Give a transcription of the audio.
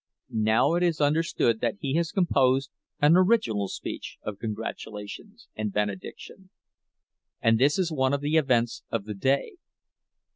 Now it is understood that he has composed an original speech of congratulation and benediction, and this is one of the events of the day.